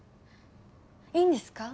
いいんですか？